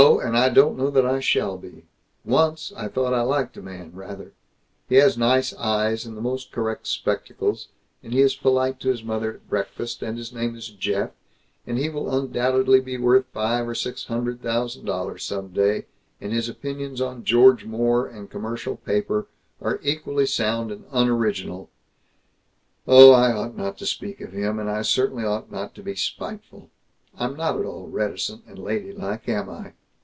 And I don't know that I shall be. Once, I thought I liked a man, rather. He has nice eyes and the most correct spectacles, and he is polite to his mother at breakfast, and his name is Jeff, and he will undoubtedly be worth five or six hundred thousand dollars, some day, and his opinions on George Moore and commercial paper are equally sound and unoriginal Oh, I ought not to speak of him, and I certainly ought not to be spiteful. I'm not at all reticent and ladylike, am I!